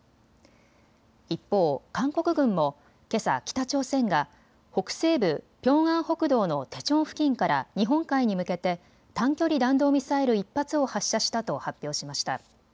一方、韓国軍もけさ北朝鮮が北西部ピョンアン北道のテチョン付近から日本海に向けて短距離弾道ミサイル１発を発射したと発表しました。